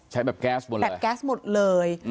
ใช้แบบแก๊สหมดเลย